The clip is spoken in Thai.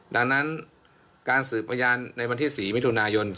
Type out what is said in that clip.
ดังนั้นการสืบพยานในวันที่๔มิถุนายน